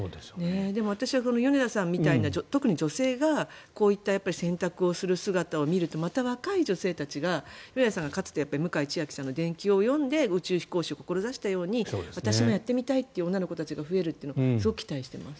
でも、私はこの米田さんみたいな特に女性がこういった選択をする姿を見るとまた若い女性たちが米田さんが、かつて向井千秋さんの伝記を読んで宇宙飛行士を志したように私もやってみたいという女の子たちが増えるのをすごく期待しています。